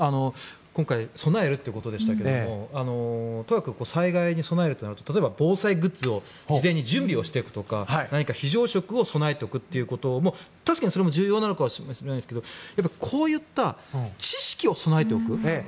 今回、備えるということでしたけれども災害に備えるというのは防災グッズを事前に準備するとか何か非常食を備えておくことも確かに大事なのかもしれないですけどこういった知識を備えておく。